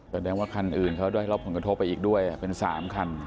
แสดงว่าคันอื่นเขาได้รับผลกระทบไปอีกด้วยเป็น๓คัน